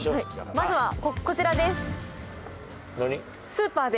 まずはこちらです。